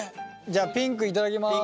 じゃあピンク頂きます。